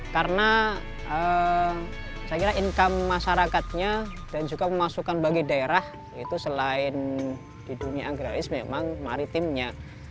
karena saya kira income masyarakatnya dan juga memasukkan bagi daerah itu selain di dunia agraris memang maritimnya